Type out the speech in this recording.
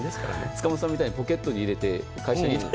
塚本さんみたいにポケットに入れて会社に。